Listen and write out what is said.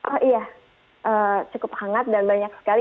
oh iya cukup hangat dan banyak sekali